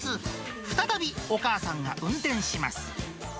再びお母さんが運転します。